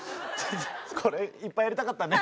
これいっぱいやりたかったね。